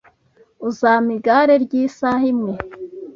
Uzampa igare ryisaha imwe?